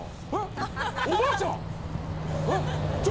おばあちゃんえっ？